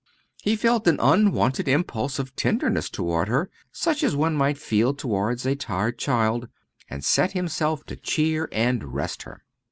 He felt an unwonted impulse of tenderness towards her such as one might feel towards a tired child and set himself to cheer and rest her.